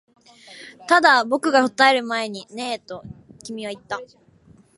ただ、僕が答える前にねえと君は言った